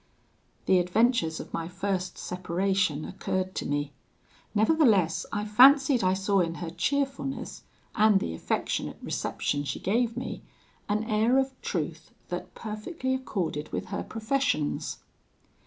The adventures of my first separation occurred to me; nevertheless, I fancied I saw in her cheerfulness, and the affectionate reception she gave me, an air of truth that perfectly accorded with her professions.